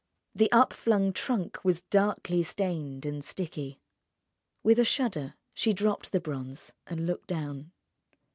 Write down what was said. The up flung trunk was darkly stained and sticky.... With a shudder she dropped the bronze, and looked down.